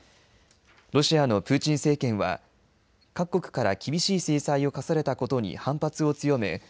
ロシアのプーチン政権は各国から厳しい制裁を科されたことに反発を強め